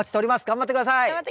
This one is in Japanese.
頑張って下さい！